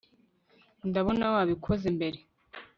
ndabona wabikoze mbere